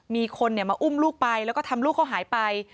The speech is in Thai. มีคนมาอุ้มลูกไปแล้วก็ทำลูกเขาหายไป